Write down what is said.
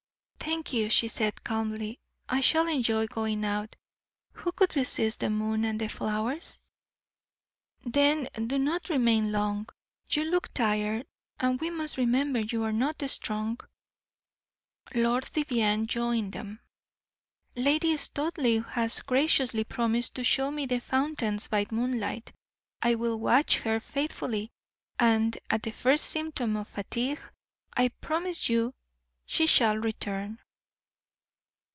"Thank you," she said, calmly; "I shall enjoy going out. Who could resist the moon and the flowers?" "Then do not remain long. You look tired, and we must remember you are not strong." Lord Vivianne joined them. "Lady Studleigh has graciously promised to show me the fountains by moonlight. I will watch her faithfully, and at the first symptom of fatigue I promise you she shall return."